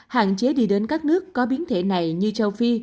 hạn chế đi đến các nước có biến thể này như châu phi